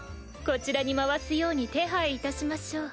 こちらに回すように手配いたしましょう。